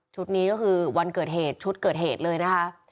นี้ก็คือวันเกิดเหตุชุดเกิดเหตุเลยนะคะ